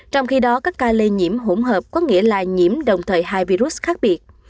trong khi đó các ca lây nhiễm hỗn hợp có nghĩa là nhiễm đồng thời hai virus khác biệt